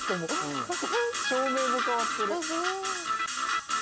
照明も変わってる。